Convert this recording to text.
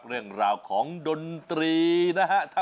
เรื่องราวของดนตรีนะฮะ